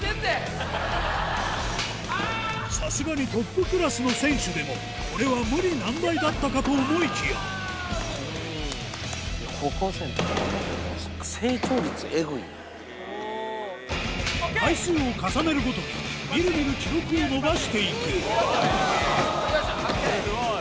さすがにトップクラスの選手でもこれは無理難題だったかと思いきや回数を重ねるごとにみるみる記録を伸ばしていくスゴい！